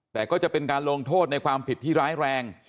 แต่ก็จะเป็นการลงโทษในความผิดที่ร้ายแรง